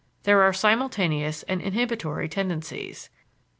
There are simultaneous and inhibitory tendencies.